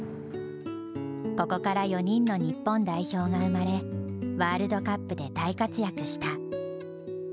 ここから４人の日本代表が生まれワールドカップで大活躍した。